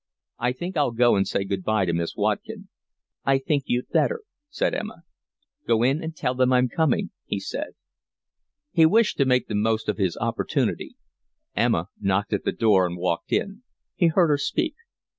"I think I'll go and say good bye to Miss Watkin." "I think you'd better," said Emma. "Go in and tell them I'm coming," he said. He wished to make the most of his opportunity. Emma knocked at the door and walked in. He heard her speak.